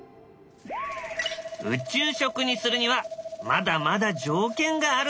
宇宙食にするにはまだまだ条件があるんだ。